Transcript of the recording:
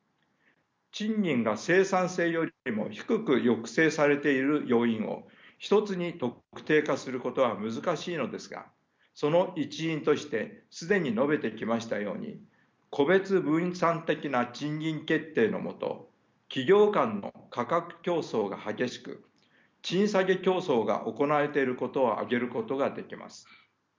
賃金が生産性よりも低く抑制されている要因を一つに特定化することは難しいのですがその一因として既に述べてきましたように個別分散的な賃金決定のもと企業間の価格競争が激しく賃下げ競争が行われていることを挙げることができます。